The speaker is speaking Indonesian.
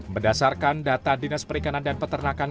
berdasarkan data dinas perikanan dan peternakan